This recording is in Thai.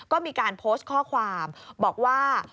ก็มีการโพสต์ข้อความบอกว่า